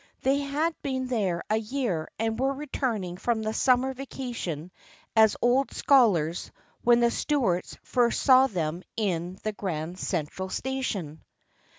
They had been there a year and were returning from the summer vacation as old scholars when the Stuarts first saw them in the Grand Central Station.